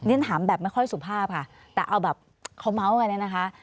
ฉันถามแบบไม่ค่อยสุภาพค่ะแต่เอาแบบเขาเมาส์กันเนี่ยนะคะ